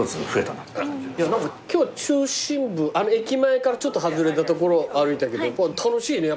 何か今日中心部あの駅前からちょっと外れたところ歩いたけど楽しいね。